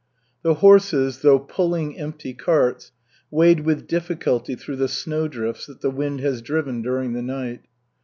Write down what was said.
The horses, though pulling empty carts, wade with difficulty through the snow drifts that the wind has driven during the night.